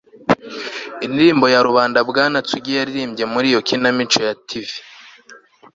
indirimbo ya rubanda bwana tsugi yaririmbye muri iyo kinamico ya tv